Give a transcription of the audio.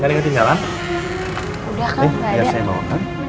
enggak ada tinggalan